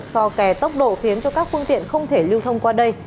do kè tốc độ khiến cho các phương tiện không thể lưu thông qua đây